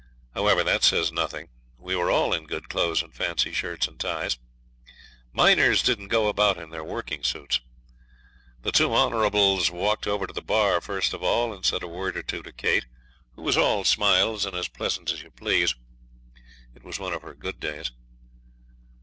However, that says nothing; we were all in good clothes and fancy shirts and ties. Miners don't go about in their working suits. The two Honourables walked over to the bar first of all, and said a word or two to Kate, who was all smiles and as pleasant as you please. It was one of her good days.